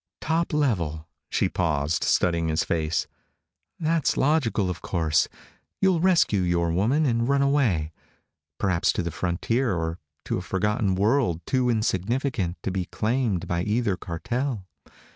"Top level." She paused, studying his face. "That's logical, of course. You'll rescue your woman and run away perhaps to the frontier, or to a forgotten world too insignificant to be claimed by either cartel.